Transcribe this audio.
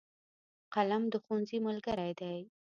قلم د ښوونځي ملګری دی.